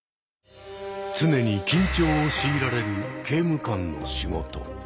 常に緊張を強いられる刑務官の仕事。